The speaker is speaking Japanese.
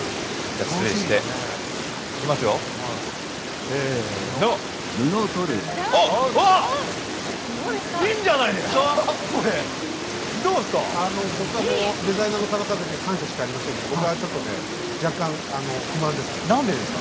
あの僕はもうデザイナーの方々には感謝しかありませんけど僕はちょっとね若干あの不満ですね。